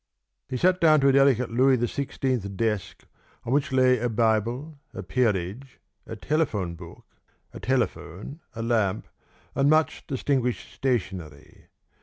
He sat down to a delicate Louis XVI desk on which lay a Bible, a Peerage, a telephone book, a telephone, a lamp, and much distinguished stationery.